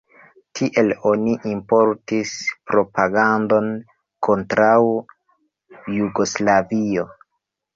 Tiel oni importis propagandon kontraŭ Jugoslavio.